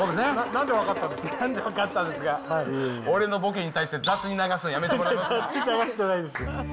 なんで分かったんですか、俺のボケに対して、雑に流すのやめ雑に流してないですよ。